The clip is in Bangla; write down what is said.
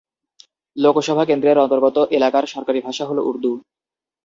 লোকসভা কেন্দ্রের অন্তর্গত এলাকার সরকারি ভাষা হল উর্দু।